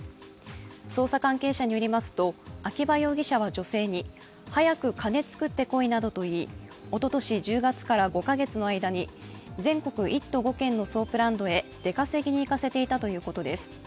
捜査関係者によりますと秋葉容疑者は女性に早く金作ってこいなどといい、おととし１０月から５か月の間に全国１都５県のソープランドへ出稼ぎに行かせていたということです。